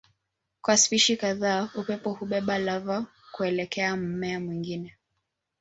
Kwa spishi kadhaa upepo hubeba lava kuelekea mmea mwingine.